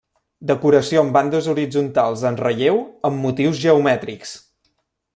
Decoració amb bandes horitzontals en relleu amb motius geomètrics.